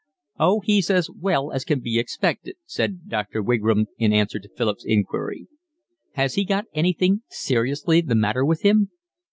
"Oh, he's as well as can be expected," said Dr. Wigram in answer to Philip's inquiry. "Has he got anything seriously the matter with him?"